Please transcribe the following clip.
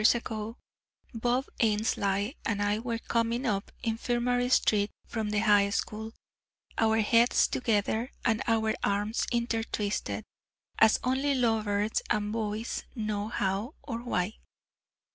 D. Four and thirty years ago, Bob Ainslie and I were coming up Infirmary street from the high school, our heads together, and our arms intertwisted, as only lovers and boys know how or why.